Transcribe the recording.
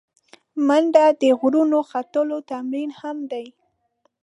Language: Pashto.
منډه د غرونو ختلو تمرین هم دی